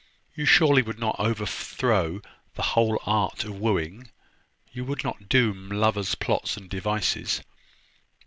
You surely would not overthrow the whole art of wooing? You would not doom lovers' plots and devices?"